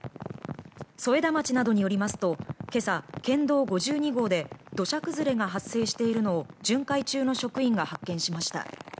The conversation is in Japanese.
添田町などによりますと今朝、県道５２号で土砂崩れが発生しているのを巡回中の職員が発見しました。